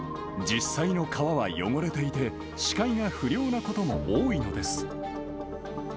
実際の川は汚れていて、視界が不良なことも多いのです。